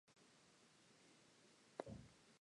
They later turned the festivities over to the Jaycees.